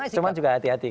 cuman juga hati hati